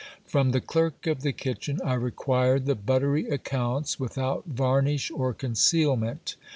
From the clerk of the kitchen I required the buttery accounts without varnish or conceal ment.